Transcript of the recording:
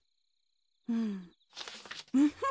うんウフフ。